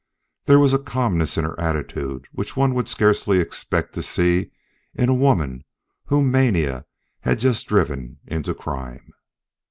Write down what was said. There was a calmness in her attitude which one would scarcely expect to see in a woman whom mania had just driven into crime.